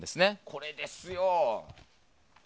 これですよ！